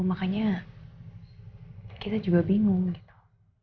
makanya kita juga bingung gitu